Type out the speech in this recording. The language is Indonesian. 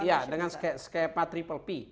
iya dengan skema triple p